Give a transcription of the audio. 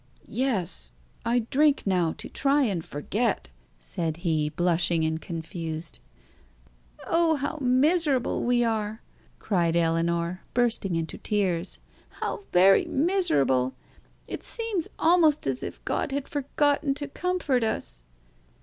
"Yes. I drink now to try and forget," said he, blushing and confused. "Oh, how miserable we are!" cried Ellinor, bursting into tears "how very miserable! It seems almost as if God had forgotten to comfort us!"